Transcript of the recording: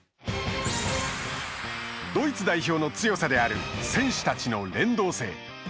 ドイツ代表の強さである選手たちの連動性。